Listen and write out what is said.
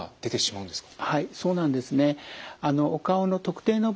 そうなんですね。